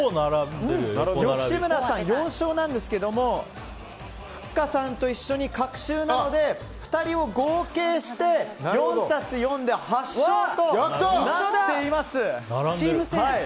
吉村さん、４勝なんですがふっかさんと一緒に隔週なので２人を合計して、４足す４で８勝となっています。